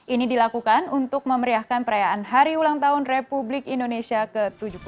ini dilakukan untuk memeriahkan perayaan hari ulang tahun republik indonesia ke tujuh puluh dua